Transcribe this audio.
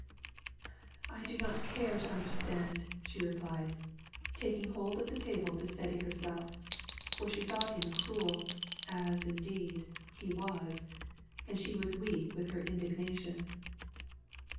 "I do not care to understand," she replied, taking hold of the table to steady herself; for she thought him cruel as, indeed, he was and she was weak with her indignation.